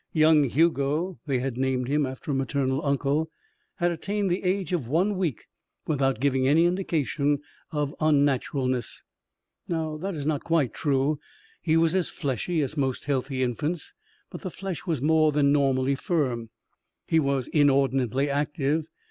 Young Hugo they had named him after a maternal uncle had attained the age of one week without giving any indication of unnaturalness. That is not quite true. He was as fleshy as most healthy infants, but the flesh was more than normally firm. He was inordinately active.